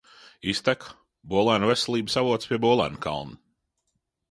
Izteka – Bolēnu Veselības avots pie Bolēnu kalna.